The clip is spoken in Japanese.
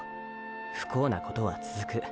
“不幸なことは続く”